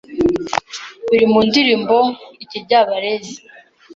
biri mu ndirimbo Ikiryabarezi